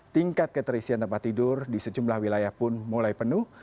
tingkat keterisian tempat tidur di sejumlah wilayah pun mulai penuh